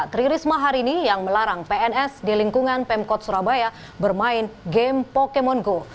tri risma hari ini yang melarang pns di lingkungan pemkot surabaya bermain game pokemon go